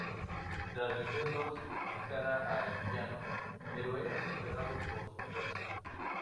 Tras vencerlos encara al villano, pero es superado por su fuerza.